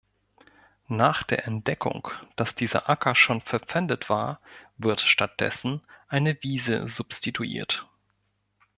Nach der Entdeckung, dass dieser Acker schon verpfändet war, wird stattdessen eine Wiese substituiert.